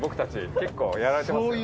結構やられてますから。